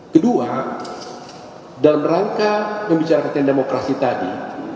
kedua dalam rangka membicarakan demokrasi tadi